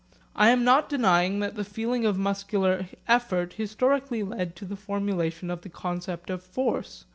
I am not denying that the feeling of muscular effort historically led to the formulation of the concept of force.